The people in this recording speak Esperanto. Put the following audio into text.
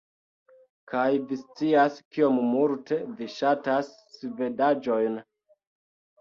- Kaj vi scias kiom multe vi ŝatas svedaĵojn